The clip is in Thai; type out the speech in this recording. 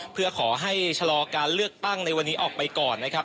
เพื่อขอให้ชะลอการเลือกตั้งในวันนี้ออกไปก่อนนะครับ